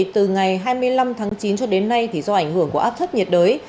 từ ngày hai mươi năm tháng chín cho đến nay do ảnh hưởng của áp thấp nhiệt đới